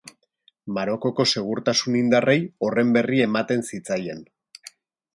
Marokoko segurtasun-indarrei horren berri ematen zitzaien.